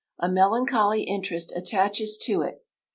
A melancholy interest attaches to it